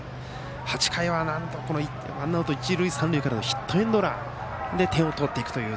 ８回は、なんとワンアウト一塁三塁からのヒットエンドランで点を取っていくという。